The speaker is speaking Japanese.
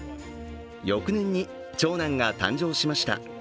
翌年に長男が誕生しました。